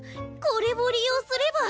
これを利用すれば。